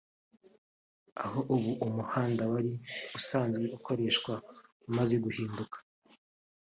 aho ubu umuhanda wari usanzwe ukoreshwa wamaze guhinduka